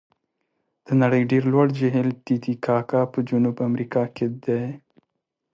د نړۍ ډېر لوړ جهیل تي تي کاکا په جنوب امریکا کې دی.